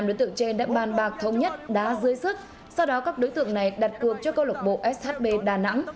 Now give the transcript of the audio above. năm đối tượng trên đã ban bạc thống nhất đã dưới sức sau đó các đối tượng này đặt cược cho công an tp shb đà nẵng